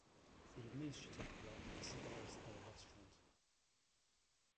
The administrative block survives as a restaurant.